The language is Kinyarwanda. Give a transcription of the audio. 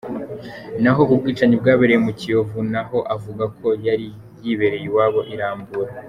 Naho ku bwicanyi bwabereye mu Kiyovu, naho avuga ko yari yibereye iwabo i Rambura.